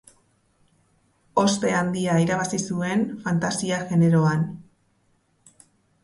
Ospe handia irabazi zuen fantasia-generoan.